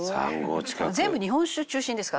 全部日本酒中心ですか？